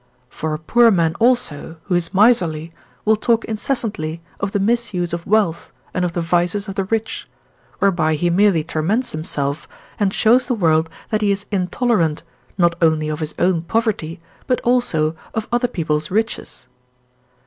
For a poor man also, who is miserly, will talk incessantly of the misuse of wealth and of the vices of the rich; whereby he merely torments himself, and shows the world that he is intolerant, not only of his own poverty, but also of other people's riches.